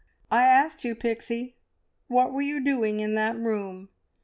"I asked you, Pixie, what you were doing in that room?"